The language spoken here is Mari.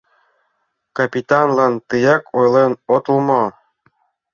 Капитанлан тыяк ойлен отыл мо?